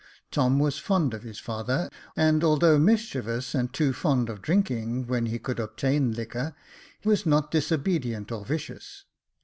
Tom was fond of his father, and although mischievous, and too fond of drinking when he could obtain liquor, was not disobedient or vicious.